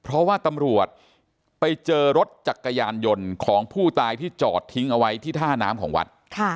เพราะว่าตำรวจไปเจอรถจักรยานยนต์ของผู้ตายที่จอดทิ้งเอาไว้ที่ท่าน้ำของวัด